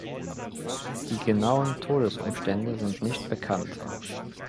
Die genauen Todesumstände sind nicht bekannt.